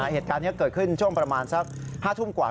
เหตุการณ์นี้เกิดขึ้นช่วงประมาณสัก๕ทุ่มกว่า